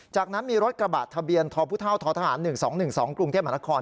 จากนั้นมีรถกระบะทะเบียนทพททหาร๑๒๑๒กรุงเทพมหานคร